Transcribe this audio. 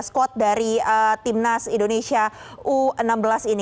squad dari timnas indonesia u enam belas ini